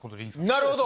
なるほど！